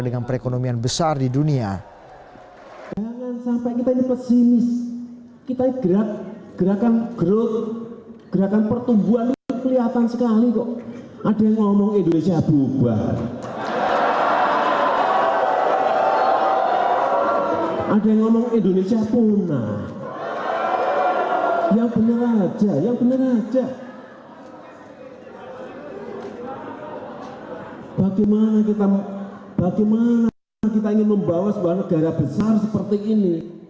bagaimana kita bagaimana kita ingin membawa sebuah negara besar seperti ini